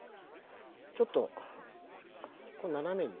ちょっとこう斜めに。